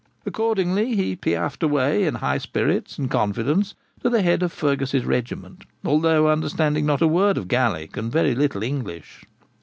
Accordingly he piaffed away, in high spirits and confidence, to the head of Fergus's regiment, although understanding not a word of Gaelic and very little English.